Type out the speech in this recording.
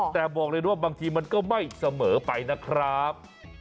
แต่บอกเลยว่าบางทีมันก็ไม่เสมอไปนะครับ